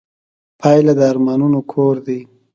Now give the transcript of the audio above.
پیاله د ارمانونو کور دی.